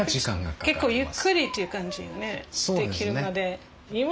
結構ゆっくりっていう感じよね出来るまで。